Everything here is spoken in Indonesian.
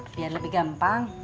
biar lebih gampang